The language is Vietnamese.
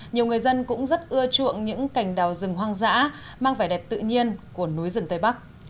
nhiều người dân cũng rất ưa chuộng những cành đào rừng hoang dã mang vẻ đẹp tự nhiên của núi rừng tây bắc